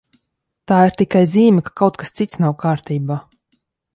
Tā ir tikai zīme, ka kaut kas cits nav kārtībā.